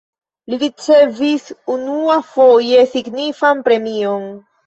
Li ricevis unuafoje signifan premion.